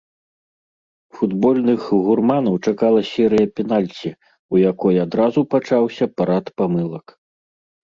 Футбольных гурманаў чакала серыя пенальці, у якой адразу пачаўся парад памылак.